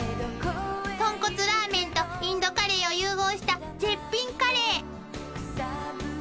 ［豚骨ラーメンとインドカレーを融合した絶品カレー］